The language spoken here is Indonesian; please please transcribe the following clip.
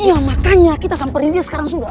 iya makanya kita samperin dia sekarang sudah